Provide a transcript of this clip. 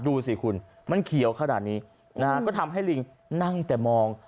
ดูสิคุณมันเขียวขนาดนี้นะฮะก็ทำให้ลิงนั่งแต่มอง